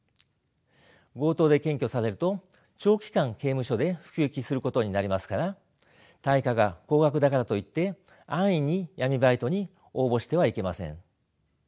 強盗で検挙されると長期間刑務所で服役することになりますから対価が高額だからといって安易に闇バイトに応募してはいけません。